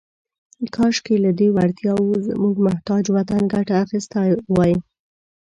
« کاشکې، لهٔ دې وړتیاوو زموږ محتاج وطن ګټه اخیستې وای. »